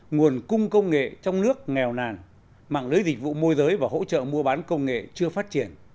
nguồn cung công nghệ trong nước nghèo nàn mạng lưới dịch vụ môi giới và hỗ trợ mua bán công nghệ chưa phát triển